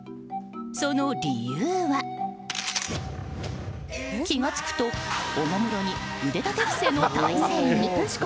その理由は、気が付くとおもむろに腕立て伏せの体勢に。